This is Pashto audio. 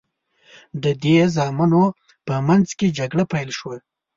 د دې زامنو په منځ کې جګړه پیل شوه.